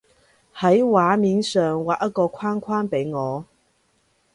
喺畫面上畫一個框框畀我